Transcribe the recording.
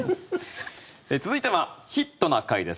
続いては「ヒットな会」です。